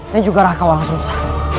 dan juga raka wang sosa